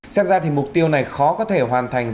xét ra thì mục tiêu này khó có thể hoàn thành